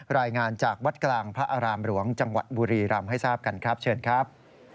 รายงานจากวัดกลางพระอารามหลวงจังหวัดบุรีรำให้ทราบกันครับเชิญครับ